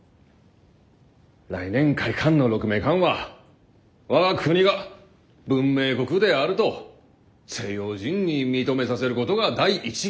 来年開館の鹿鳴館は我が国が文明国であると西洋人に認めさせることが第一義。